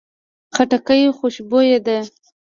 خټکی خوشبویه ده.